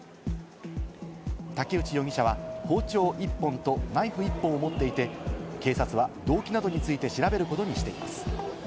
竹内容疑者は包丁１本とナイフ１本を持っていて、警察は動機などについて調べることにしています。